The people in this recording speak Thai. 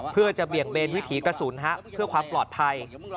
เพื่อจะเบี่ยงเบนวิถีกระสุนเพื่อความปลอดภัย